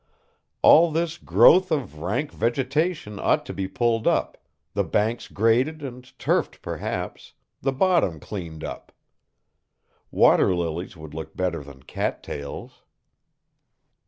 "All this growth of rank vegetation ought to be pulled up, the banks graded and turfed perhaps, the bottom cleaned up. Water lilies would look better than cat tails."